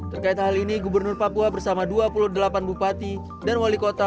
terkait hal ini gubernur papua bersama dua puluh delapan bupati dan wali kota